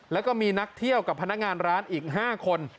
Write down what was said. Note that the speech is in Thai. แล้วก็มีนักเที่ยวกับพนักงานร้านอีก๕คน